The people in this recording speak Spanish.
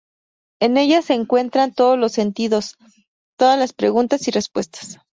En ella se encuentran todos los sentidos, todas las preguntas y respuestas.